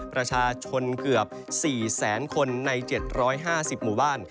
ประชาชนเกือบ๔แสนคนใน๗๕๐หมู่บ้าน